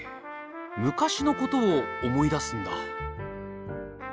昔のことを思い出すんだ。